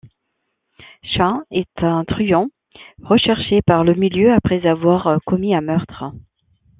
Chas est un truand recherché par le milieu après avoir commis un meurtre.